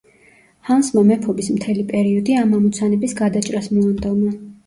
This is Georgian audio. ჰანსმა მეფობის მთელი პერიოდი ამ ამოცანების გადაჭრას მოანდომა.